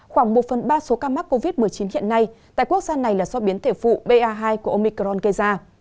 khoảng một phần ba số ca mắc covid một mươi chín hiện nay tại quốc gia này là do biến thể phụ ba hai của omicron gây ra